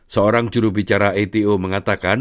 seorang jurubicara ato mengatakan